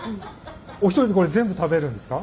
お一人でこれ全部食べるんですか？